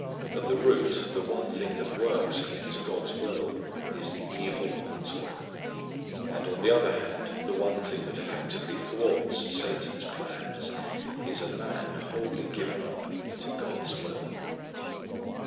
At the root the one thing that works against God's will is the evil one's will. And on the other hand the one thing that effectively thwarts Satan's plans is a man wholly given up to God's will.